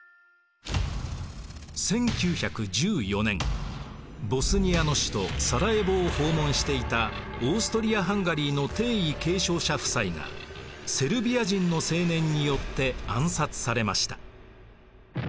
１９１４年ボスニアの首都サライェヴォを訪問していたオーストリア・ハンガリーの帝位継承者夫妻がセルビア人の青年によって暗殺されました。